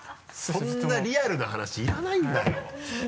そんなリアルな話いらないんだよ